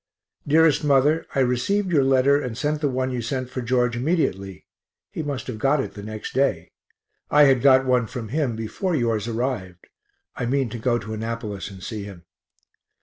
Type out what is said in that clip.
_ DEAREST MOTHER I rec'd your letter and sent the one you sent for George immediately he must have got it the next day. I had got one from him before yours arrived. I mean to go to Annapolis and see him.